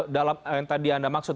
dalam yang tadi anda maksud